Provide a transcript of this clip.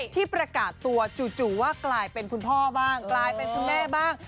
ที่ประกาศตัวจู่ว่ากลายเป็นคุณพ่อบ้างกลายเป็นคุณแม่บ้าง